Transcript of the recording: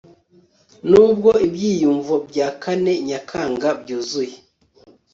Nubwo ibyiyumvo bya KaneNyakangabyuzuye